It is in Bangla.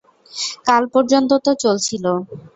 কাল পর্যন্ত তো চলছিল।